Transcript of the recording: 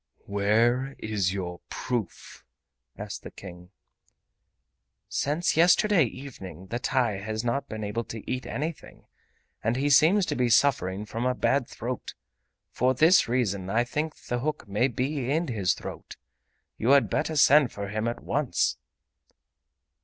"Where is your proof?" asked the King. "Since yesterday evening the TAI has not been able to eat anything, and he seems to be suffering from a bad throat! For this reason I think the hook may be in his throat. You had better send for him at once!"